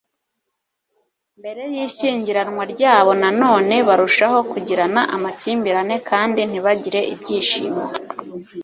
mbere y ishyingiranwa ryabo Nanone barushaho kugirana amakimbirane kandi ntibagire ibyishimo